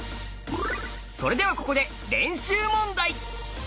それではここで練習問題！